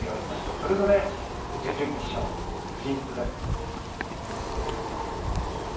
それぞれ準々決勝進出です。